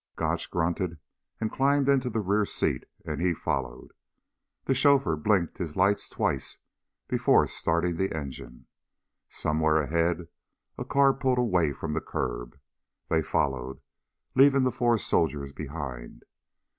Gotch grunted and climbed into the rear seat and he followed. The chauffeur blinked his lights twice before starting the engine. Somewhere ahead a car pulled away from the curb. They followed, leaving the four soldiers behind.